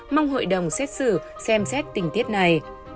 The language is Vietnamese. mong hội đồng xét xử xem xét tình tiết này